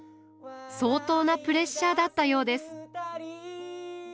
相当なプレッシャーだったようです。